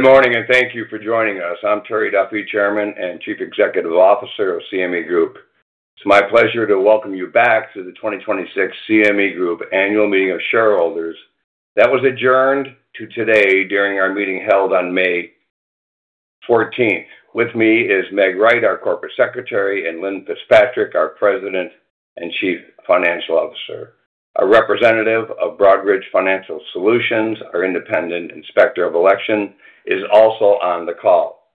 Good morning, and thank you for joining us. I'm Terrence A. Duffy, Chairman and Chief Executive Officer of CME Group. It's my pleasure to welcome you back to the 2026 CME Group Annual Meeting of Shareholders that was adjourned to today during our meeting held on May 14th. With me is Margaret Wright, our Corporate Secretary, and Lynne Fitzpatrick, our President and Chief Financial Officer. A representative of Broadridge Financial Solutions, our independent inspector of election, is also on the call.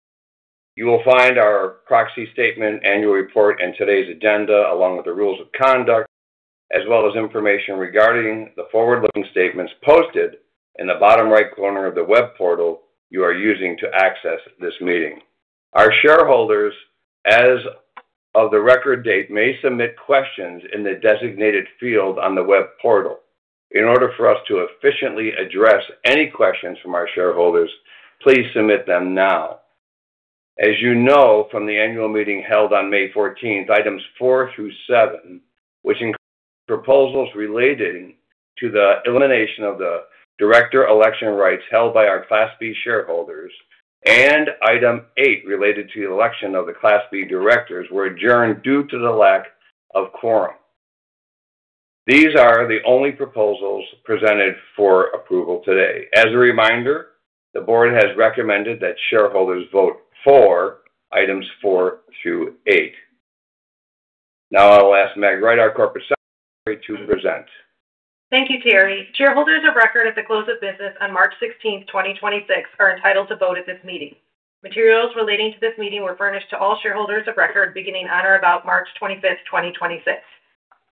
You will find our proxy statement, annual report, and today's agenda along with the rules of conduct, as well as information regarding the forward-looking statements posted in the bottom right corner of the web portal you are using to access this meeting. Our shareholders as of the record date may submit questions in the designated field on the web portal. In order for us to efficiently address any questions from our shareholders, please submit them now. As you know from the annual meeting held on May 14th, items four through seven, which includes proposals relating to the elimination of the director election rights held by our Class B shareholders, and item eight related to the election of the Class B directors were adjourned due to the lack of quorum. These are the only proposals presented for approval today. As a reminder, the board has recommended that shareholders vote for Items 4 through Item 8. Now I will ask Margaret Wright, our Corporate Secretary, to present. Thank you, Terry. Shareholders of record at the close of business on March 16th, 2026, are entitled to vote at this meeting. Materials relating to this meeting were furnished to all shareholders of record beginning on or about March 25th, 2026.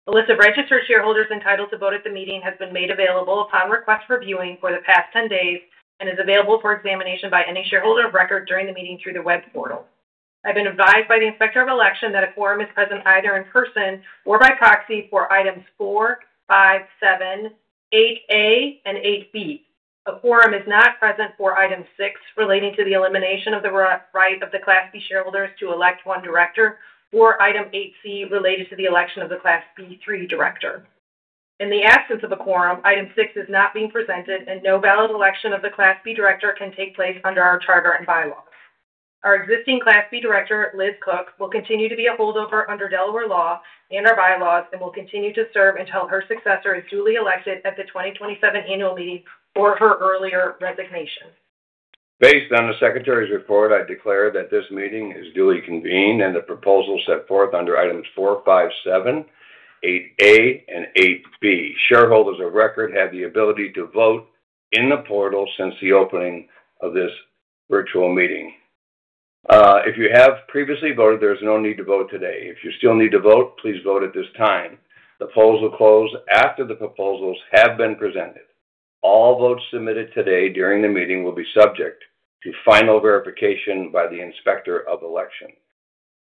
A list of registered shareholders entitled to vote at the meeting has been made available upon request for viewing for the past 10 days and is available for examination by any shareholder of record during the meeting through the web portal. I've been advised by the Inspector of Election that a quorum is present either in person or by proxy for Items 4, Item 5, Item 7, Item 8A, and Item 8B. A quorum is not present for item six, relating to the elimination of the right of the Class B shareholders to elect one director, or Item 8C, related to the election of the Class B-3 director. In the absence of a quorum, item six is not being presented, and no valid election of the Class B director can take place under our charter and bylaws. Our existing Class B director, Liz Cook, will continue to be a holdover under Delaware law and our bylaws and will continue to serve until her successor is duly elected at the 2027 annual meeting or her earlier resignation. Based on the Secretary's report, I declare that this meeting is duly convened and the proposal set forth under Item 4, Item 5, Item 7, Item 8A, and Item 8B. Shareholders of record had the ability to vote in the portal since the opening of this virtual meeting. If you have previously voted, there's no need to vote today. If you still need to vote, please vote at this time. The polls will close after the proposals have been presented. All votes submitted today during the meeting will be subject to final verification by the Inspector of Election.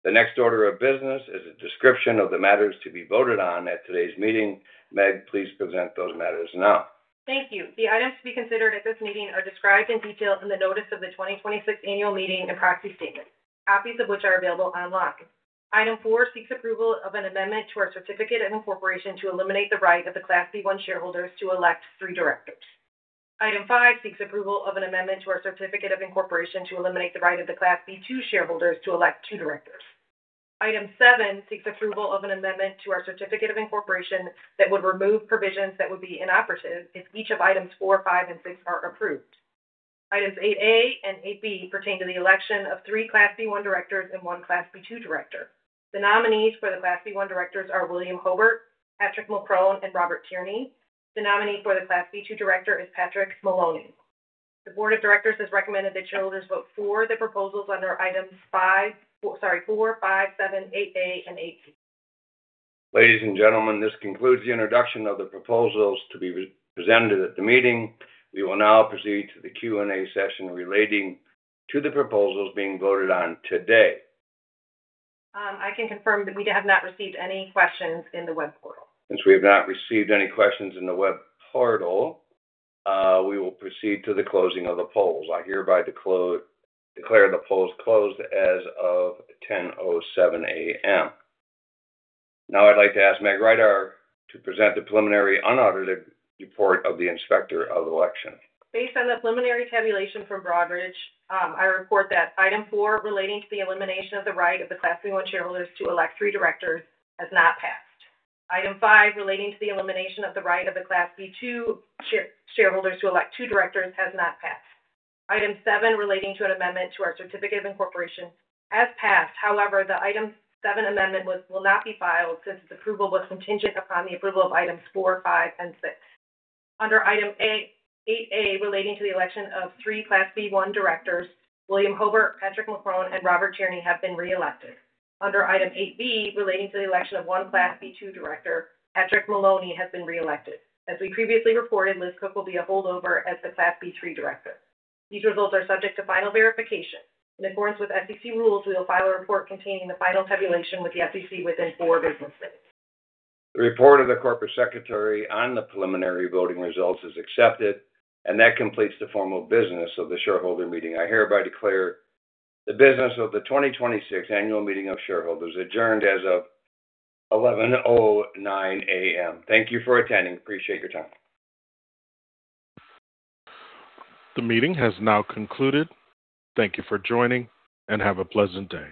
The next order of business is a description of the matters to be voted on at today's meeting. Margaret Wright, please present those matters now. Thank you. The items to be considered at this meeting are described in detail in the notice of the 2026 annual meeting and proxy statement, copies of which are available online. Item four seeks approval of an amendment to our certificate of incorporation to eliminate the right of the Class B-1 shareholders to elect three directors. Item five seeks approval of an amendment to our certificate of incorporation to eliminate the right of the Class B-2 shareholders to elect two directors. Item seven seeks approval of an amendment to our certificate of incorporation that would remove provisions that would be inoperative if each of items four, five, and six are approved. Items 8A and 8B pertain to the election of three Class B-1 directors and one Class B-2 director. The nominees for the Class B-1 directors are William Hobert, Patrick Mulchrone, and Robert Tierney. The nominee for the Class B-2 director is Patrick Maloney. The board of directors has recommended that shareholders vote for the proposals under items four, five, seven, 8A, and 8B. Ladies and gentlemen, this concludes the introduction of the proposals to be presented at the meeting. We will now proceed to the Q&A session relating to the proposals being voted on today. I can confirm that we have not received any questions in the web portal. Since we have not received any questions in the web portal, we will proceed to the closing of the polls. I hereby declare the polls closed as of 10:07 A.M. Now I'd like to ask Margaret Wright to present the preliminary unaudited report of the Inspector of Election. Based on the preliminary tabulation from Broadridge, I report that Item 4, relating to the elimination of the right of the Class B-1 shareholders to elect three directors, has not passed. Item 5, relating to the elimination of the right of the Class B-2 shareholders to elect two directors, has not passed. Item 7, relating to an amendment to our certificate of incorporation, has passed. However, the Item 7 amendment will not be filed since its approval was contingent upon the approval of Item 4, Item 5, and Item 6. Under Item Item 8A, relating to the election of three Class B-1 directors, William Hobert, Patrick Mulchrone, and Robert Tierney have been reelected. Under Item 8B, relating to the election of one Class B-2 director, Patrick Maloney has been reelected. As we previously reported, Liz Cook will be a holdover as the Class B-3 director. These results are subject to final verification. In accordance with SEC rules, we will file a report containing the final tabulation with the SEC within four business days. The report of the Corporate Secretary on the preliminary voting results is accepted. That completes the formal business of the shareholder meeting. I hereby declare the business of the 2026 annual meeting of shareholders adjourned as of 11:09 A.M. Thank you for attending. Appreciate your time. The meeting has now concluded. Thank you for joining, and have a pleasant day.